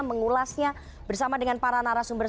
mengulasnya bersama dengan para narasumber